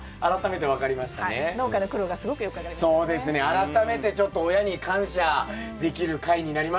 改めてちょっと親に感謝できる回になりましたね